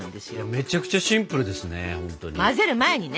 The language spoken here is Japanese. めちゃくちゃシンプルですね